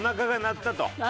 鳴ったと。